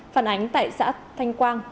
phản ánh tại xã thanh quang